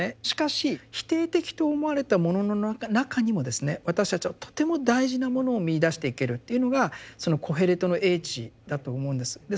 しかし否定的と思われたものの中にもですね私たちはとても大事なものを見いだしていけるっていうのがそのコヘレトの叡智だと思うんです。